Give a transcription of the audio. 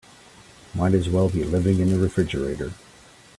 Might as well be living in a refrigerator.